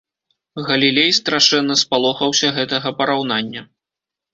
Галілей страшэнна спалохаўся гэтага параўнання.